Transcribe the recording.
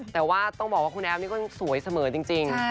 แต่ว่าต้องบอกว่าคุณแอฟนี่ก็สวยเสมอจริง